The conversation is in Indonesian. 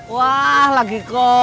wah lagi komik tuh lo pak